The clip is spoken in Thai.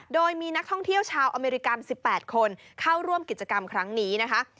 โดยมีนักท่องเที่ยวชาวอเมริกัน๑๘คนเข้าร่วมกิจกรรมครั้งนี้นะคะ